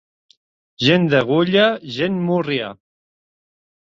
Gent d'agulla, gent múrria.